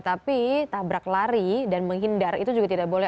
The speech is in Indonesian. tapi tabrak lari dan menghindar itu juga tidak boleh